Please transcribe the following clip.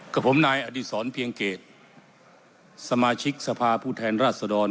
กับผมนายอดีศรเพียงเกตสมาชิกสภาผู้แทนราชดร